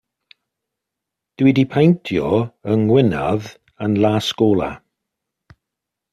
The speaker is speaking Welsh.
Dw i 'di peintio 'y ngwinadd yn las gola'.